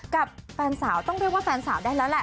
กับแฟนสาวต้องเรียกว่าแฟนสาวได้แล้วแหละ